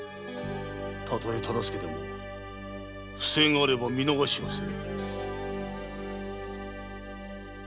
たとえ忠相でも不正があれば見逃しはせぬ。